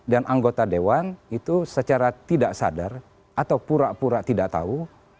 dan anggota dewan itu secara tidak sadar atau pura pura tidak tahu